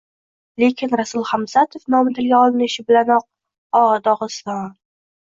Lekin Rasul Hamzatov nomi tilga olinishi bilanoq, O, Dogʻiston